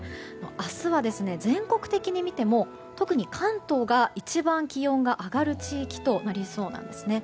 明日は全国的に見ても特に関東が一番気温が上がる地域となりそうなんですね。